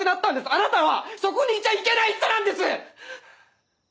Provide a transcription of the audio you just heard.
あなたはそこにいちゃいけない人なんです‼